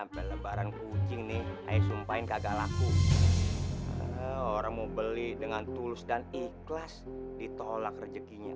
pelebaran kucing nih ayo sumpahin kagak laku orang mau beli dengan tulus dan ikhlas ditolak rejekinya